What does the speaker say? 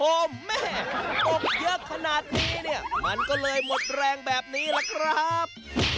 โอ้โหแม่ตกเยอะขนาดนี้เนี่ยมันก็เลยหมดแรงแบบนี้ล่ะครับ